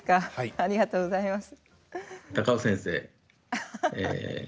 ありがとうございます。